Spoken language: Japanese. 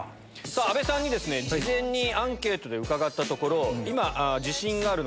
さぁ阿部さんに事前にアンケートで伺ったところ。